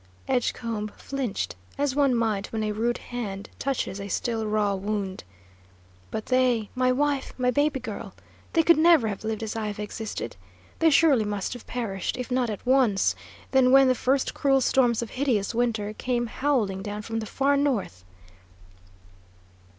Edgecombe flinched, as one might when a rude hand touches a still raw wound. "But they, my wife, my baby girl, they could never have lived as I have existed. They surely must have perished; if not at once, then when the first cruel storms of hideous winter came howling down from the far north!"